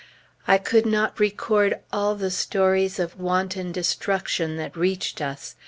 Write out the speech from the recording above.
I could not record all the stories of wanton destruction that reached us.